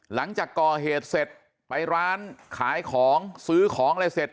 หลังจากก่อเหตุเสร็จไปร้านขายของซื้อของอะไรเสร็จ